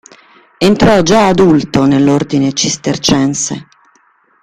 Entrò già adulto nell'Ordine cistercense.